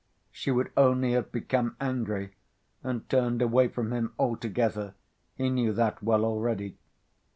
She would only have become angry and turned away from him altogether, he knew that well already.